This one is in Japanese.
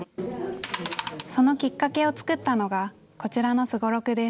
そのきっかけを作ったのが、こちらのすごろくです。